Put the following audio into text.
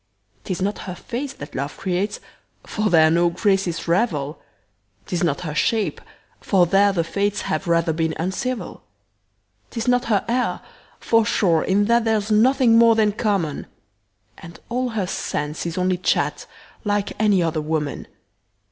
'Tis not her face that love creates, For there no graces revel; 'Tis not her shape, for there the fates Have rather been uncivil. 'Tis not her air, for sure in that There's nothing more than common; And all her sense is only chat Like any other woman.